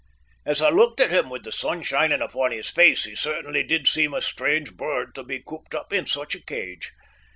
As I looked at him, with the sun shining upon his face, he certainly did seem a strange bird to be cooped up in such a cage.